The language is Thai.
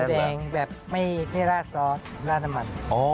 ข้าวหมูแดงแบบไม่ได้ราดซอสราดน้ำมัน